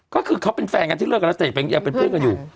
ก็คือเขาเป็นแฟนกันที่เลิกกันแล้วแต่ยังเป็นเพื่อนกันอยู่